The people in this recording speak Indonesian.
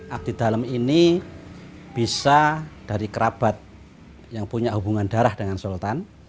abdi dalam ini bisa dari kerabat yang punya hubungan darah dengan sultan